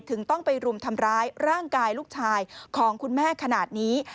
ถึงต้องไปรุมทำร้ายร่างกายลูกชายของคุณแม่ขนาดนี้